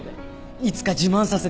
いつか自慢させてよ。